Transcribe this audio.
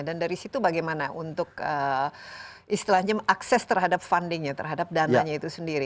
dan dari situ bagaimana untuk istilahnya akses terhadap fundingnya terhadap dananya itu sendiri